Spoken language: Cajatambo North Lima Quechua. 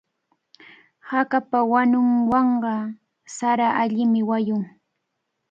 Hakapa wanunwanqa sara allimi wayun.